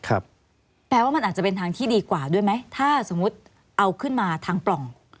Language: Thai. แปลว่ามันอาจจะเป็นทางที่ดีกว่าด้วยไหมถ้าสมมุติเอาขึ้นมาทางปล่อง